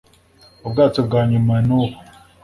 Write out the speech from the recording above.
Ubwato bwa nyuma nubu